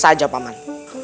bukan saja paman